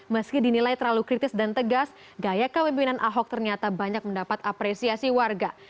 meski dinilai terlalu kritis dan tegas gaya kepemimpinan ahok ternyata banyak mendapat apresiasi warga